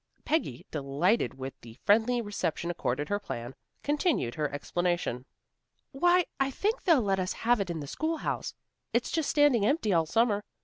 Peggy, delighted with the friendly reception accorded her plan, continued her explanation. "Why, I think they'll let us have it in the schoolhouse. It's just standing empty all summer.